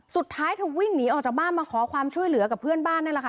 สุดท้ายเธอวิ่งหนีออกจากบ้านมาขอความช่วยเหลือกับเพื่อนบ้านนั่นแหละค่ะ